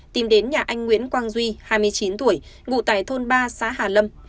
tìm đến nhà anh nguyễn quang duy hai mươi chín tuổi ngụ tại thôn ba xã hà lâm